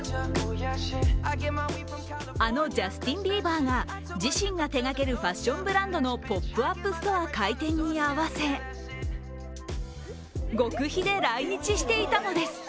あのジャスティン・ビーバーが自身が手がけるファッションブランドのポップアップストア開店に合わせ極秘で来日していたのです。